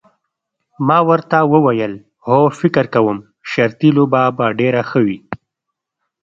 ما ورته وویل هو فکر کوم شرطي لوبه به ډېره ښه وي.